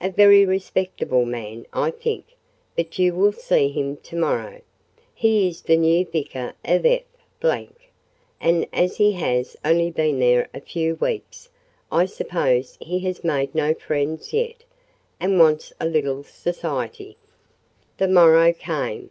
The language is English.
"A very respectable man, I think: but you will see him to morrow. He is the new vicar of F——, and as he has only been there a few weeks, I suppose he has made no friends yet, and wants a little society." The morrow came.